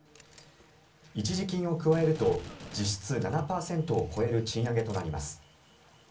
一時金を加えると実質７％を超える賃上げとなります。